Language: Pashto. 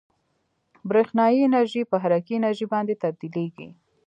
برېښنايي انرژي په حرکي انرژي باندې تبدیلیږي.